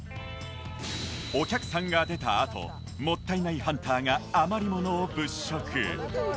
お客さんが出たあともったいないハンターが余り物を物色